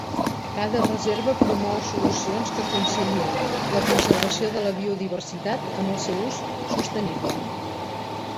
Cada reserva promou solucions que concilien la conservació de la biodiversitat amb el seu ús sostenible.